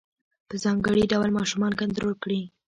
په ځانګړي ډول ماشومان کنترول کړي.